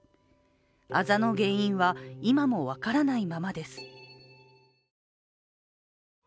あざの原因は今も分からないままです。